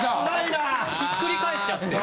ひっくり返っちゃってる。